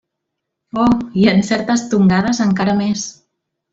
Oh, i en certes tongades, encara més!